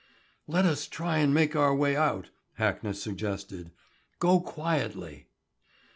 "Let us try and make our way out," Hackness suggested. "Go quietly."